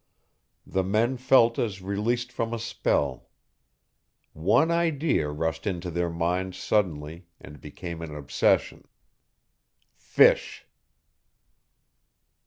The men felt as released from a spell. One idea rushed into their minds suddenly and became an obsession. Fish!